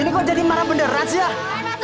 ini kok jadi malam beneran sih ya